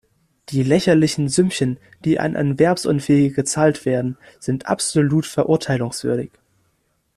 Die lächerlichen Sümmchen, die an Erwerbsunfähige gezahlt werden, sind absolut verurteilungswürdig.